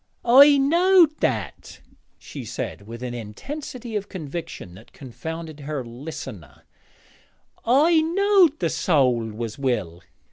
'I knowed that,' she said, with an intensity of conviction that confounded her listener, 'I knowed the soäl was will.'